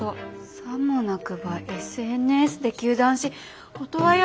さもなくばＳＮＳで糾弾しオトワヤ